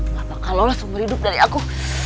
bapak kalolah seumur hidup dari aku